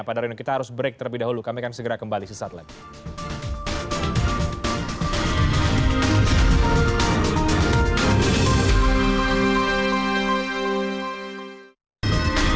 pak daryono kita harus break terlebih dahulu kami akan segera kembali sesaat lagi